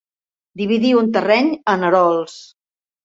Dividir un terreny en erols.